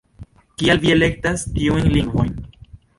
Kial vi elektas tiujn lingvojn?